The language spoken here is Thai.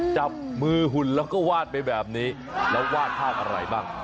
จับมือหุ่นแล้วก็วาดไปแบบนี้แล้ววาดภาพอะไรบ้าง